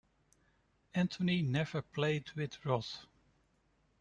Anthony never played with Roth.